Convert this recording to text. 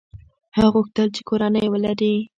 هغه وغوښتل چې کورنۍ ولري.